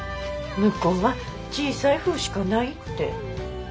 向こうは小さい麩しかないって。